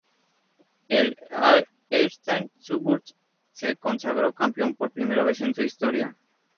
El Eastern Suburbs se consagró campeón por primera vez en su historia.